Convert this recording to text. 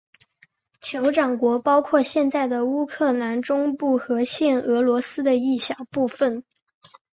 酋长国包括现在的乌克兰中部和现俄罗斯的一小部分。